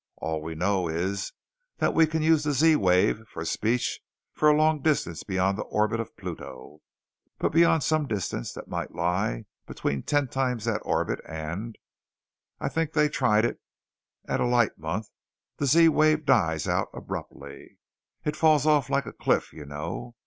All we know is that we can use the Z wave for speech for a long distance beyond the orbit of Pluto, but beyond some distance that might lie between ten times that orbit and I think they tried it at a light month the Z wave dies out abruptly. It falls off like a cliff, you know.